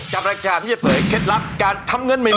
กับรายการที่จะเผยเคล็ดลับการทำเงินใหม่